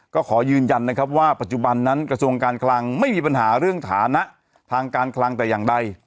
ก็ขอยืนยันนะครับว่าปัจจุบันนั้นกระทรวงการคลังไม่มีปัญหาเรื่องฐานะทางการคลังแต่อย่างใด